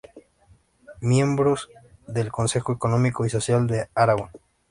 Miembro del Consejo Económico y Social de Aragón.